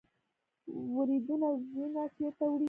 وریدونه وینه چیرته وړي؟